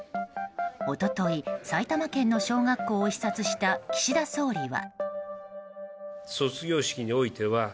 一昨日、埼玉県の小学校を視察した岸田総理は。